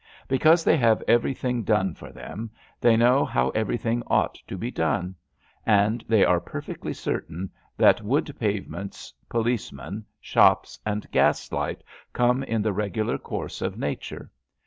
Because they have every thing done for them they know how everything ought to be done; and they are perfectly certain that wood pavements, policemen, shops and gas light come in the regular course of nature.